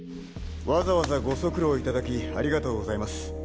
わざわざご足労いただきありがとうございます。